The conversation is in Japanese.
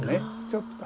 ちょっと。